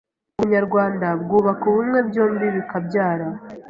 UBUNYARWANDA bwubaka ubumwe byombi bikabyara